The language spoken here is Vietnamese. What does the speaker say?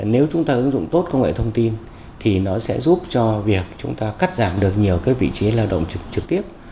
nếu chúng ta ứng dụng tốt công nghệ thông tin thì nó sẽ giúp cho việc chúng ta cắt giảm được nhiều vị trí lao động trực tiếp